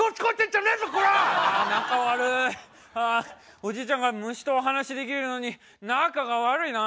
おじいちゃんが虫とお話しできるのに仲が悪いな。